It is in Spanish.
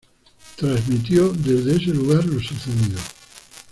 Transmitió desde ese lugar lo sucedido.